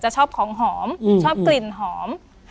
ชอบของหอมชอบกลิ่นหอม